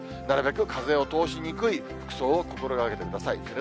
なるべく風を通しにくい服装を心がけてください。